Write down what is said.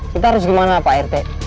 kita harus kemana pak rt